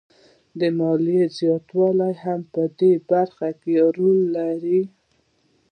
د ماليې زیاتوالی هم په دې برخه کې رول لري